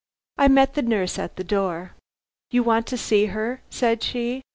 I met the nurse at the door. "You want to see her," said she.